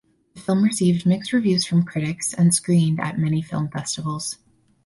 The film received mixed reviews from critics and screened at many film festivals.